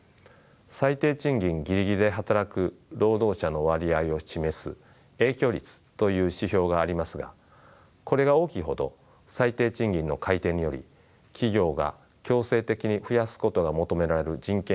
最低賃金ぎりぎりで働く労働者の割合を示す影響率という指標がありますがこれが大きいほど最低賃金の改定により企業が強制的に増やすことが求められる人件費負担が重くなります。